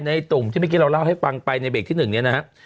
ตุ่มที่เมื่อกี้เราเล่าให้ฟังไปในเบรกที่๑เนี่ยนะฮะ